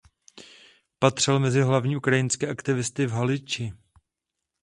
Patřil mezi hlavní ukrajinské aktivisty v Haliči.